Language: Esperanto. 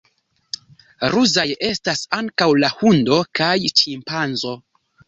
Ruzaj estas ankaŭ la hundo kaj ĉimpanzo.